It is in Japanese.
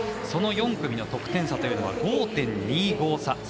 その４組の得点差というのは５．２５差。